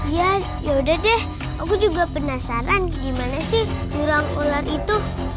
ya ya udah deh aku juga penasaran gimana sih jurang ular itu